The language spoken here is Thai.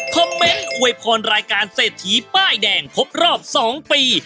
เมนต์อวยพรรายการเศรษฐีป้ายแดงครบรอบ๒ปี